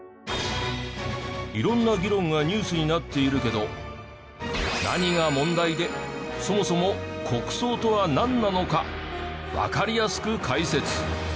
色んな議論がニュースになっているけど何が問題でそもそも国葬とはなんなのかわかりやすく解説。